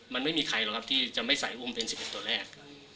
มันไม่มีใครหรอกครับที่จะไม่ใส่วงเป็น๑๑ตัวแรก